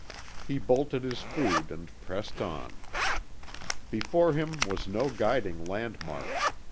He bolted his food and pressed on. Before him was no guiding landmark.